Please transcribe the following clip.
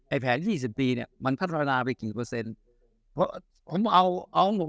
ไอ้แผน๒๐ปีเนี่ยมันพัฒนาไปกี่เปอร์เซ็นต์เพราะผมเอาเอาบอก